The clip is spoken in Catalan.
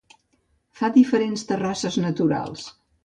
Fa diferents terrasses naturals.